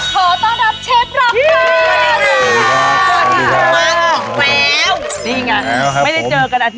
โทษต้อนรับเชฟล่ะครับ